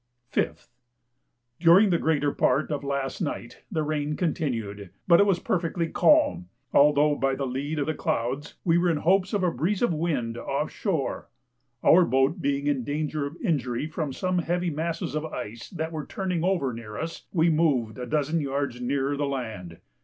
5th. During the greater part of last night the rain continued, but it was perfectly calm, although by the lead of the clouds we were in hopes of a breeze of wind off shore. Our boat being in danger of injury from some heavy masses of ice that were turning over near us, we moved a dozen yards nearer the land.